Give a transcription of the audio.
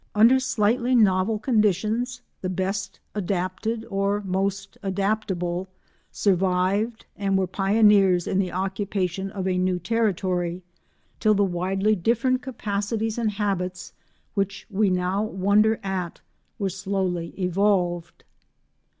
Under slightly novel conditions the best adapted or most adaptable survived and were pioneers in the occupation of a new territory till the widely different capacities and habits which we now wonder at were slowly evolved.